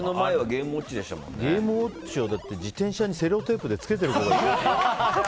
ゲームウォッチを自転車にセロテープでつけて。